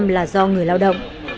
chín mươi chín là do người lao động